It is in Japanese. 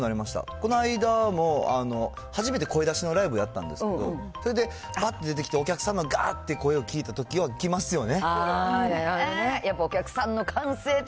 この間も、初めて声出しのライブやったんですけど、それでばって出てきて、お客さんのがーって声を聞いたときは来ますよね。